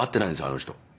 あの人